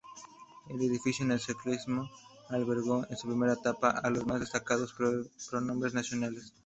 El edificio neoclásico albergó en su primera etapa a los más destacados prohombres nacionales.